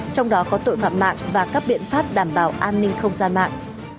trong đó có tội phạm mạng và các biện pháp đảm bảo an ninh không gian mạng